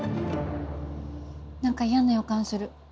何か嫌な予感する。